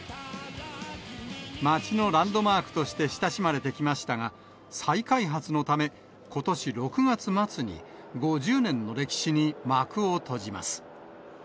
街のランドマークとして親しまれてきましたが、再開発のため、ことし６月末に５０年の歴史に幕を閉じます。